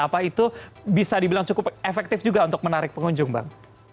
apa itu bisa dibilang cukup efektif juga untuk menarik pengunjung bang